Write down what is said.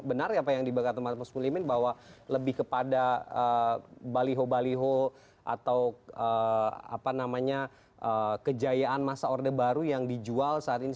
benar apa yang diberikan teman teman muslimin bahwa lebih kepada baliho baliho atau kejayaan masa order baru yang dijual saat ini